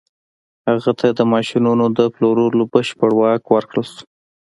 هغه ته د ماشينونو د پلورلو بشپړ واک ورکړل شو.